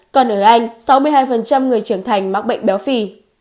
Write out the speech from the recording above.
còn ở anh sáu mươi hai người trưởng thành mắc bệnh béo phì